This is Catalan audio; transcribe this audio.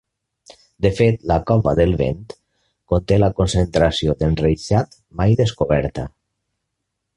De fet la Cova del Vent conté la concentració d'enreixat mai descoberta.